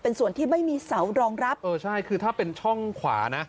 เป็นส่วนที่ไม่มีเสารองรับเออใช่คือถ้าเป็นช่องขวานะ